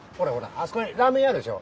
あそこにラーメン屋あるでしょ。